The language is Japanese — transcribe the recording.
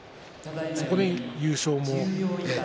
それで優勝も。